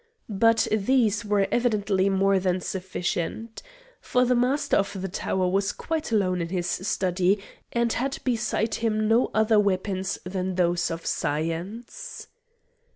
But these were evidently more than sufficient. For the Master of the tower was quite alone in his study and had beside him no other weapons than those of science.